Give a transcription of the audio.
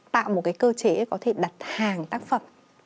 tạo một cái cơ chế có thể đặt hàng tác phẩm